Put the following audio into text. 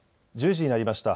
１０時になりました。